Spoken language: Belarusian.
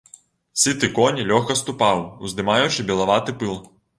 Сыты конь лёгка ступаў, уздымаючы белаваты пыл.